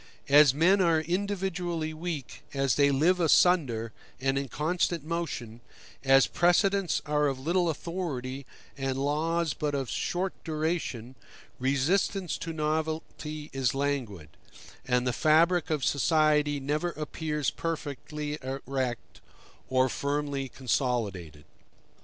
As men are individually weak as they live asunder, and in constant motion as precedents are of little authority and laws but of short duration, resistance to novelty is languid, and the fabric of society never appears perfectly erect or firmly consolidated.